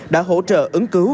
đã hỗ trợ ứng cứu